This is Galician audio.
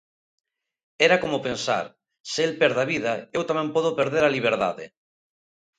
Era como pensar: se el perde a vida, eu tamén podo perder a liberdade.